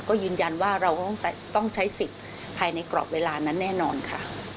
ก็ยืนยันว่าเราต้องใช้สิทธิ์ภายในกรอบเวลานั้นแน่นอนค่ะ